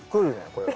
これは。